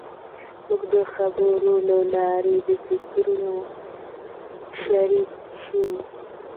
موږ د خبرو له لارې د فکرونو شریک شوو.